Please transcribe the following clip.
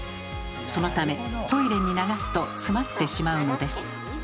そのためトイレに流すとつまってしまうのです。